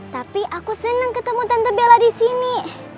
tapi aku seneng ketemu tante bella disini